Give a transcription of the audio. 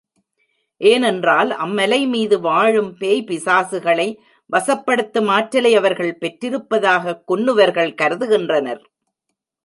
ஏனென்றால் அம்மலை மீது வாழும் பேய் பிசாசுகளை வசப்படுத்தும் ஆற்றலை அவர்கள் பெற்றிருப்பதாகக் குன்னுவர்கள் கருதுகின்றனர்.